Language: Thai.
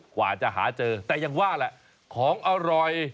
กว่าจะหาเจอแต่ยังว่าแหละของอร่อย